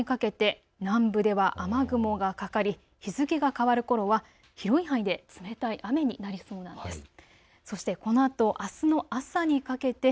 今夜７時以降を見ていきますと遅い時間にかけて南部では雨雲がかかり日付が変わるころは広い範囲で冷たい雨になりそうなんです。